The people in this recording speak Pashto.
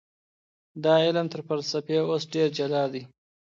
دا علم تر فلسفې اوس ډېر جلا دی.